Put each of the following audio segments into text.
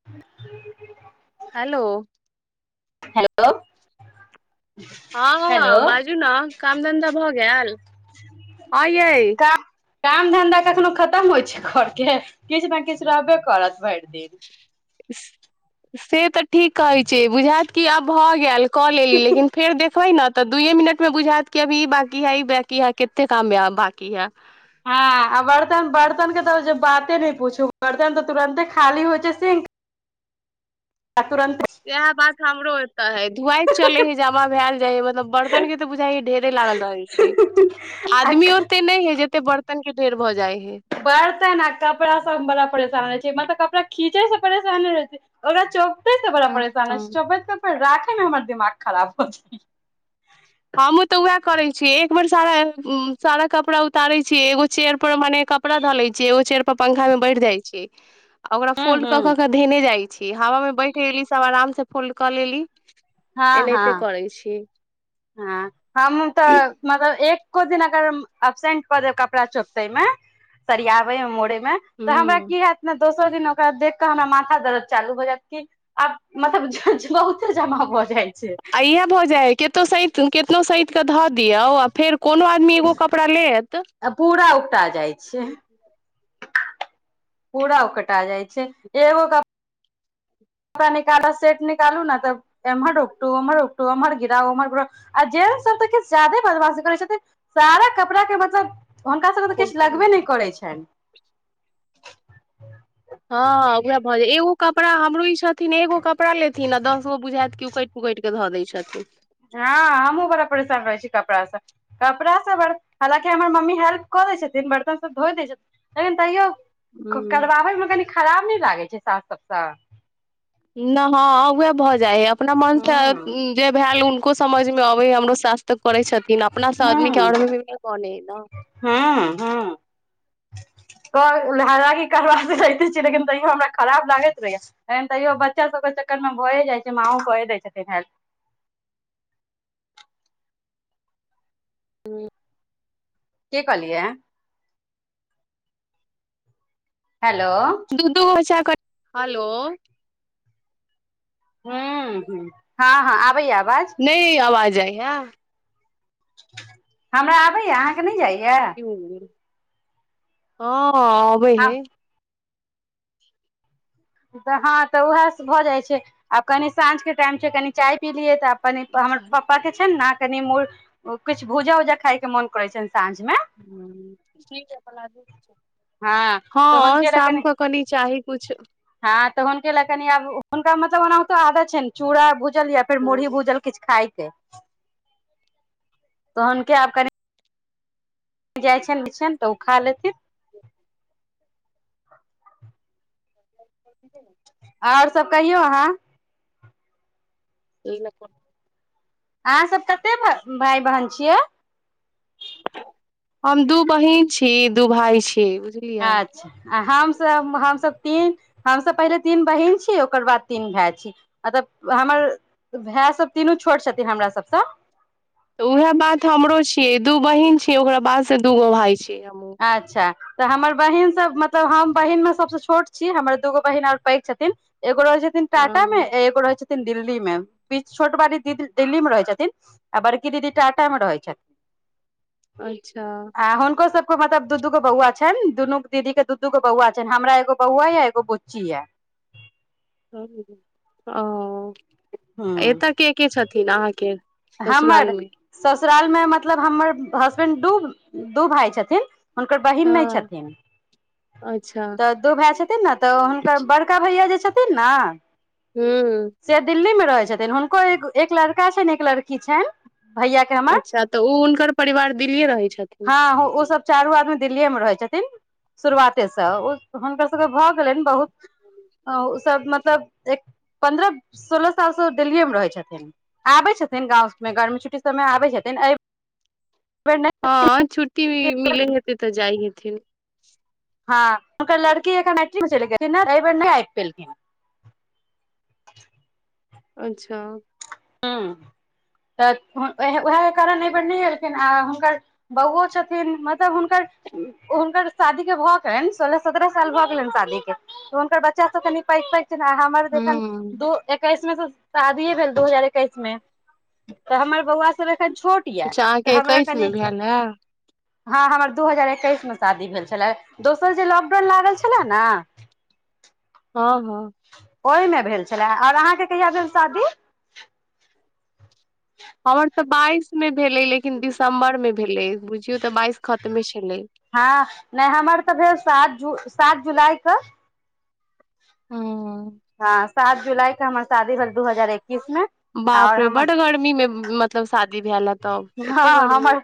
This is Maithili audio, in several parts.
[unintelligible] हेलो हेलो [inaudible] हेलो हँ बाजू ने काम धन्धा भऽ गैल हँ यै काम धन्धा कखनो खत्म होइ घर के किछ न किछ रहबे करत भरि दिन [inaudible] से तऽ ठीक कहै छीयै बुझात कि आब भऽ गेल कऽ लेलली लेकिन फेर देखबै ने तऽ दु ए मिनट म बुझायत कि अब ई बाँकी है ई बकी है कते काम आब बाँकी यऽ हँ बर्तन बर्तन के तऽ बाते नहि पूछू बर्तन तऽ तुरंते खाली होइ छै से आ तुरंते इएह बात हमरो एते है धुआइ चले है जमा भयल जाय है मतलब बर्तन के बुझाय ढेरे लागल रहय छै [inaudible] आ आदमी ओेते नहि जेते बर्तन बर्तन क ढेर भऽ जाए हे बर्तन अ कपड़ा सब हम बड़ा परेशान रहै छी मतलब तऽ कपड़ा खीचै सँ परेशान नहि रहे छी ओकरा चोपते त बड़ा परेशान हो है चोपैत क फेर राखेमे हमर दिमाग खराब हो जाय हमहु तऽ उएह करे छीयै एक बेर सारा सारा कपड़ा उतारे छीयै एगो चेयर पर मने कपड़ा डाले छिय ओ चेर पर पंखा मे बैठ जाय छै [inaudible] आ ओकरा फोल्ड क हूं क के धयने जाई छी हवा मे बैठ गेली सब आराम से फोल्ड क लेली हँ हँ एनाहिते करै छी हँ हमहु तऽ मतलब एक एको दिन अगर एब्सेंट कऽ देब कपड़ा चोपते मे सरियाबे आ मोड़े मे तऽ हमरा हूँ की हयत ने दोसर दिन ओकरा देख कऽ हमरा माथा दर्द चालू हो जायत की आब मतलब [unintelligible] जमा भऽ जाई छै इह भोजाए केतो सह केतनो सही के धऽ दियऔ आ फेर कोनो आदमी एगो कपड़ा लेत आ पूरा उकटा जाई छै पूरा ओकटा जाई छै एगो क पा निकाल सेट निकालू ने तऽ एम्हर उक्टू ओम्हर उक्टू उमहर गिराउ उमहर गिरा आ जेन सब कछु ज जादे बदमाासी करै छथिन सारा कपड़ाके मतलब हुनका सभके तऽ किछ लगबे नहि करैत छनि हँ उएह भऽ जाय एगो कपड़ा हमरो ई छथिन एगो कपड़ा लेथिन दस गो बुझायत कि उकैट पुकैट कऽ धऽ दै छथिन हँ हमहूँ बड़ा परेशान रहै छी कपड़ा सऽ कपड़ासभ हालाँकि हमर मम्मी हेल्प कऽ दै छथिन बर्तन सभ धो दै छथिन लेकिन तैयो हूँ करबाबय मे कनी खराब नै लागै छै सास सबसँ नवावे भऽ जाइ हइ अपना मनसँ हूँ जे भेल हुनको समझ मे अबे हमरो सासथ तऽ करै छथिन अपना से आदमी के अ हूँ मे बने ह ने [unintelligible] हूँ हूँ [unintelligible] करबा रहे छ लेकिन तैयो हमरा खराब लागैत रहैया एन तैयो बच्चा सभके चक्करमे भए जाई छै माओ के दै छथिन हेल्प ह [unintelligible] के कहलियै हेलो तूधू घचा क [unintelligible] हेलो हूम्म हम्म हँ-हँ आबैय आवाज नहि आवाज आइ है हमरा आबैया हँ आबै हँ हे तऽ हँ तऽ उएह भऽ जाइ छै आब कनि साँझ के टाईम छै कनि चाय पी लियै तऽ आब कनि ई हमर कहल पप्पा के छ ने कनि मू किछ भूजा उजा खाय के मोन करे छ साँझ में हँ तऽ हँ हुनके लए शाम कनि कऽ कनी चाही कुछ हँ तऽ हुनक लए कनि आब हुनका मतलब ओना तो आदत छैन चूड़ा भूजल या फेर मुरही भूजल किछु खाायके तोन आ कनि जाइ छनि [unintelligible] तऽ ओ खा लेथिन [inaudible] आओर सब कहियौ अहाँ एन [unintelligible] अहाँ सब कते भ भाय बहन छियै हम दू बहिन छी दू भाई छी बुझल [unintelligible] आ हमसभ आब हमसभ तीन हमसभ पहिले तीन बहिन छी ओकर बाद तीन भाय छी म तब हमर भाय सब तीनू छोट छथिन हमरा सबसँ तऽ उएह बात हमरो छियै दू बहन छियै ओकरा बाद से दूगो भाय छियै हमहूँ अच्छा तऽ हमर बहिन सब मतलब हम बहिन मे सबस छोट छी हमर दूगो बहिन आओर पैघ छथिन एगो रहै छै फेन टाटा मे हँ एगो रहै छै दिल्ली मे बी छोट बड़ी दीदी दिल्ली मे रहै छथिन आ बड़की दीदी टाटा में रहै छथिन [inaudible] अच्छा आ हुनकोसब मतलब दू दूगो बौआ छनि दुनू दीदी के दू दूगो बौआ छनि हमरा एगो बौआ या एगो बुच्ची यै ओ हूँ एतऽ के के छथिन अहाँके ससुराल हमर मे ससुरालमे मतलब हमर हसबेंड दू दू भाय छथिन हुनकर बहिन नहि हँ छथिन अच्छा तऽ दू भाय छथिन ने तऽ हुनकर बड़ का भैया जे छथिन नेऽ [unintelligible] से दिल्ली मे रहै छथिन हुनको एक एक लड़का छनि एक लड़की छनि भैया के हमर अच्छा तऽ ओ हुनकर परिवार दिल्लीए रहै छथिन आहो ओ सब चारू आदमी दिल्लए मे रहै छथिन शुरुआते से ओ हुनकर सबके भऽ भ गेलैन बहुत ओ सब मतलब एक पन्द्रह सोलह साल स ओ दिल्लीए मे रहै छथिन आबै छथिन गाँव घर मे गर्मी छुट्टी सबमे आबै छथिन बेर हाँ छुट्टी मिलै हे तै तऽ जाइ हेथिन हँ हुनक लड़की एखन [unintelligible] एहि बेर नहि आबि पेलखिन [inaudible] अच्छा [unintelligible] उएह कारण एहि बेर नहि एलखिन आ हुनकर बौओ छथिन मतलब हुनका हुनकर शादी के भऽ गेलनि सोलह सत्ताह साल भऽ गेलेन शादी के हुनकर बच्चा सब कनि पैघ पैघ छेन हमर अखन हूँ दू ऐकैस मे से शादीए भेल दू हजार एकैस मे हमर बौआ सब कभी छोट य अच्छा अहाँके हमार एकैस मे किनी भेल हे हँ हमर दू हजार एकैस मे शादी भेल छलए दोसर जे लॉकडाउन लागल छलए ने हँ हँ ओहिमे भेल छलै और अहाँके कहिया भेल शादी हमर तऽ बाइस मे भेलै लेकिन दिसम्बर मे भेलै बुझियौ तऽ बाइस खतमे छलै हाँ नहि हमर तऽ भेल सात जु सात जुलाई क हाँ सात जुलाई के हमर शादी भेल दू हजार ऐकिश में बाप रे बड गर्मी मे मतलब शादी भेल है ब एते हँ गर्मी हमर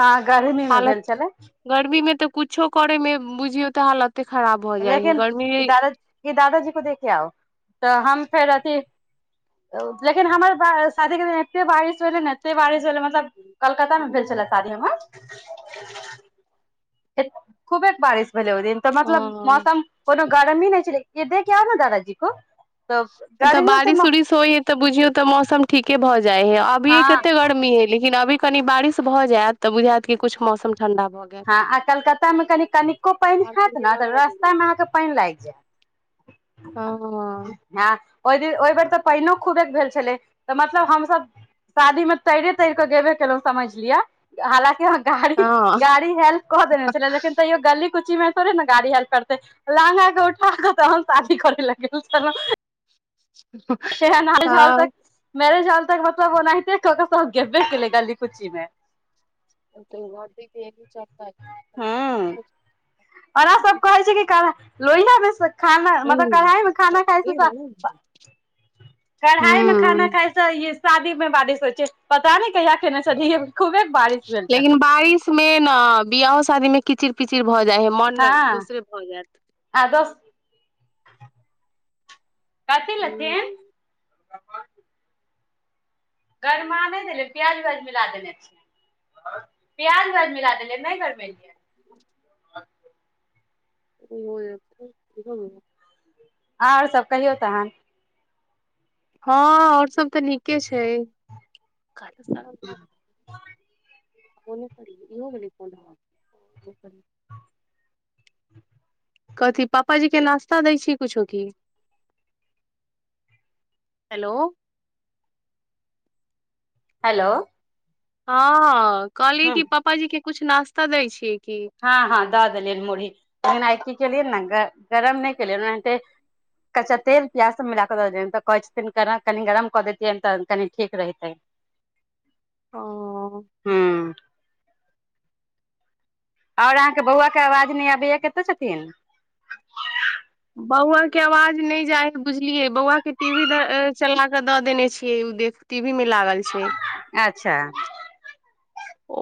हँ गर्मी मे हालत भेल छलै गर्मी में तऽ कुछो करे में बुझियौ तऽ हालते खराब भऽ जाई हे गर्मी ये दादाजी को देखे आउ [inaudible] तऽ हम फेर अथी लेकिन हमर वा शादीे दिन एते बारिश भेलै ने एते बारिश भेलै मतलब कलकता मे भेल छलै शादी हमर खुबेक बारिश भेलल ओ दिन तऽ मतलब हँ मौसम कोनो गरमी नहि छलै य दे के आओ ने दादाजी को तऽ तऽ गर्मी ओते बारिश उरिश होइ है तऽ बुझियौ तऽ मौसम ठीके भऽ जाइ ह अभीे हँ कते गर्मी हे लेकिन अभी कनि बारिश भ जायत तऽ बुझायत क कुछ मौसम ठंडा भऽ गेल हाँ आ कलकत्ता में कनि कनिको पाइन हेत ने तऽ रास्ता में अहाँ के पाइन लाग जायत हँ [inaudible] हँ ओए दिन ओहि बेर तऽ पानि खूबे भेल छलै तऽ मतलब हमसभ शादी में तैरे तैर कऽ गेवे कइलू समझ लियअ हालकि गाड़ी हँ गाड़ी हेल्प कऽ देने छलै लेकिन तऽयो गली कुची मे थोड़े ने गाड़ी हेल्प करते लहंगा के उठाके तहन सादी करे ल गेल छलै [unintelligible] केहेन हाल छै मेरेज होल तक मतलब ओनाहिते क क सब गेबे केलै गली कुची में हूँ [unintelligible] ओना सब कहै छै कि लोहिया मे खाना मतलब कढ़ाइ मे खाना खाइ छै कढ़ाई में खाना हूँ खाय से शादी मे बरिश होइ छै पता ने कहिया खेना छलै खू बेक बारिश भेल लेकिन छलै बारिश मे ने बियाह शादी मे कीचिर पिचिर भऽ जाय है मन दूसरे भऽ जायत आदो कथि हूँ लेथिन गरमा नहि दैलिये प्याज उयाज मिला देने छियै प्याज उयाज मिला देेले नहि करबेलियै ह [inaudible] ओ हो जा छै [unintelligible] और सब कहियौ तहन हँ आओर सभ त नीके छै ओनो कर इहो गेल कोन होल [unintelligible] कथी पापाजी के नाश्ता दै छी कुछो की हेलो हेलो हाँ कहली हूँ कि पापा जी के कुछ नास्ता दै छियै की हँ हँ दऽ देलियै मुरही लेकिन आइ की केलियै ने गरम नहि केलियै ओनाहते कच्चा तेल प्याज सब मिला के द दियै त कहे छथिन केना कनि गरम कऽ देैतियै तऽ कनि ठीक रहितेै ओ हुँ ओर अहाँके बौआ के आवाज नहि आबै या कते छथिन बौआ के आवाज नहि जाइ हेय बुझलियै बौआ के टी वी चला कऽ दऽ देने छियै ओ देखे टीवी मे लागल छै अच्छा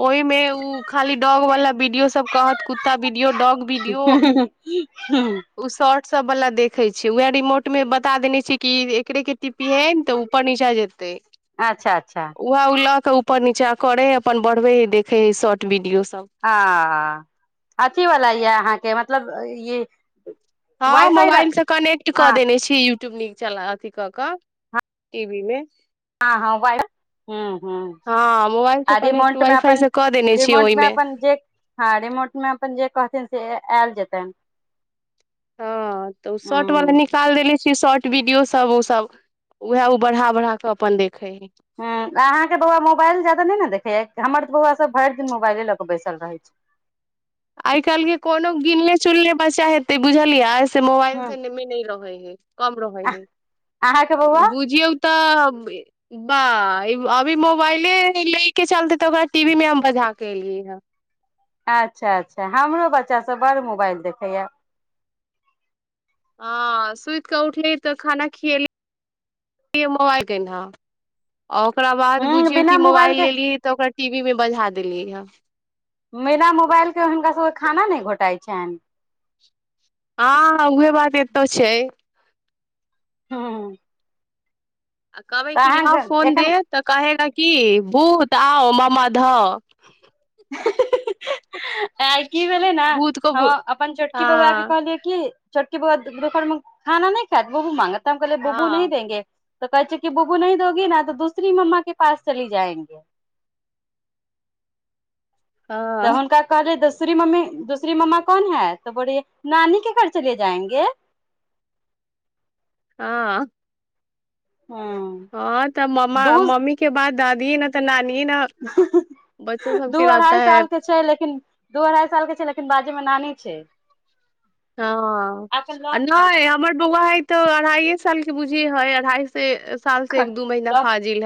ओहिमे ऊ खाली डॉग वाला वीडियो सब कहत कुत्ता वीडियो डॉग वीडियो हँ [inaudible] उ शॉर्ट सब वाला देखे छै उएह रिमोट मे बता देने छी कि एकरे के टीपू टीपीहे ने तऽ ऊपर नीचा जेतै अच्छा अच्छा वएहा ओ लऽ के ऊपर नीचा करे हइ अपन बढ़बे हय देखे हइ शॉर्ट वीडियो सब हाँ आऽ आऽ अथी वला यऽ अहाँ के मतलब ई वाइ हाँ फाइ मोबाइल से कनेक्ट कऽ हँ देने छी यूट्यूब नीक चला अथी क कऽ टीवी मे हँ हँ वाय हुँ हुँ हँ मोबाइल से आ कनेक्ट रिमोंट में वाई फाई अपन से कऽ देने छियै रिमोंट में ओहिमे अपन जे हाँ रिमोट मे अपन जे कहथिन से आयल जेतन हँ तऽ शर्ट वला न हूँ निकाल देने छीये शॉर्ट वीडियो सब ओ सब उएह ओ बढ़ा बढ़ा क अपन देखे हइ ह अहाँके बौआ मोबाइल ज्यादा नहि ने देखेय हमर तऽ बौआ सब भर दिन मोबाइले लऽ के बैसल रहै छै आइ काल्हि के कोनो गिनने चुलने बच्चा हेतै बुझलियै से मोबाइल हूँ से ने नहि रहै है कम रहै है अहाँके बौआ बुझियऔ से तबे बा अभी मोबाइले ले के चलते तऽ ओकरा टीवी मे हम बजा के एलियै हे अच्छा अच्छा हमरो बच्चा सब बड़ मोबाइल देखेया ह सुति कऽ उठली तऽ खाना खियली मोबाइल ओकरा बाद हूँ बुझियौ कि बिना मोबाइल के लेलिय तऽ ओकरा टीवी मे बझा देलिय ह बिना मोबाइल के हुनका सभ के खाना नहि घोटाइत छैन हाँ एहिओ बात एतौ छै हुँ कहबै की लऽ फोन दे एखन तऽ कहेगा की भूत आओ मामा धऽ [unintelligible] की भेलै ने भूत को हऽ भू अपन छोटकी हँ बौआ के कहलियै कि छोटकी बौआ दुपहर में खाना नहि खैत बुबू मांगत ताऽ हम कहले बुबू हँ नी देंगे त कहे छै कि बुबू नहि दोगी न तो दूसरी मम्मा के पास चली जाएंगे तऽ हँ हुनका कहलिए दूसरी मम्मी दूसरी मम्मा कौन है बोल रही है नानी के घर चले जाएंगे हॅं [unintelligible] हँ तऽ मामा दू मम्मी के बाद दादी ने तऽ नानी ने बच्चो [unintelligible] दू सबके रहता अढ़ाई है साल के छै लेकिन दू अढ़ाई साल के छै लेकिन बाजय म नानी छै हँ आके लॉक बन गेल नहि हमर बौआ हे तो अढ़ाइे साल के बुझिय हइ अढ़ाई से साल से खट एक दू महिना लक फाजिल है